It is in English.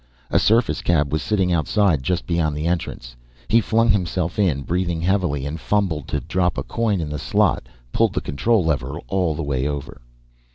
A surface cab was sitting outside just beyond the entrance. He flung himself in, breathing heavily and fumbling to drop a coin in the slot, pulled the control lever all the way over.